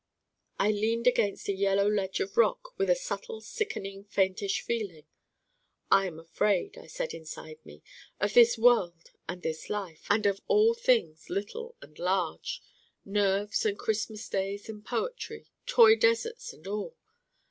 I leaned against a yellow ledge of rock with a subtle sickening faintish feeling. 'I am afraid,' I said inside me, 'of this world and this life, and of all things little and large nerves and Christmas days and poetry: toy deserts and all.